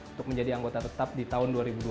untuk menjadi anggota tetap di tahun dua ribu dua puluh